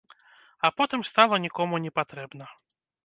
А потым стала нікому не патрэбна.